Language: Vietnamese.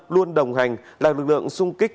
luôn đồng hành là lực lượng xung kích